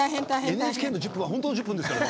ＮＨＫの１０分は本当の１０分ですからね。